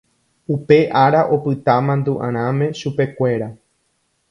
Upe ára opyta mandu'arãme chupekuéra.